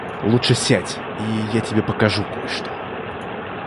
Лучше сядь, и я тебе покажу кое-что.